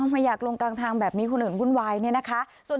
ไม่อยากลงกลางทางแบบนี้คนอื่นวุ่นวายเนี่ยนะคะ